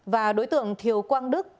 và đối tượng thiều quang đức